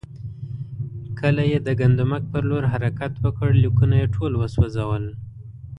کله یې د ګندمک پر لور حرکت وکړ، لیکونه یې ټول وسوځول.